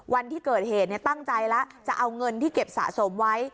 วันที่เกิดเหตุตั้งใจแล้วจะเอาเงินที่เก็บสะสมไว้